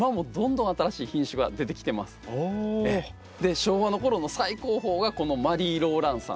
昭和の頃の最高峰がこのマリーローランサン。